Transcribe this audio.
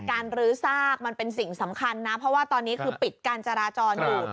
รื้อซากมันเป็นสิ่งสำคัญนะเพราะว่าตอนนี้คือปิดการจราจรอยู่